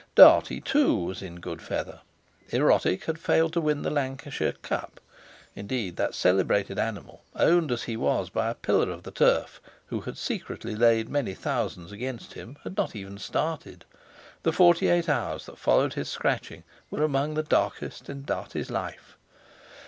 Dartie, too, was in good feather. Erotic had failed to win the Lancashire Cup. Indeed, that celebrated animal, owned as he was by a pillar of the turf, who had secretly laid many thousands against him, had not even started. The forty eight hours that followed his scratching were among the darkest in Dartie's life.